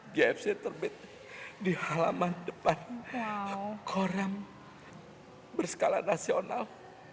gfc terbit di halaman depan koram berskala nasional